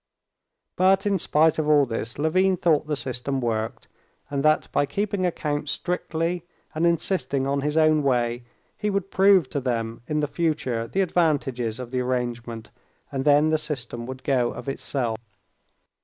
But in spite of all this Levin thought the system worked, and that by keeping accounts strictly and insisting on his own way, he would prove to them in the future the advantages of the arrangement, and then the system would go of itself.